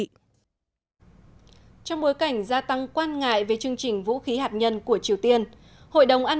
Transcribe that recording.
trong bối cảnh gia tăng quan ngại về chương trình vũ khí hạt nhân của triều tiên hội đồng an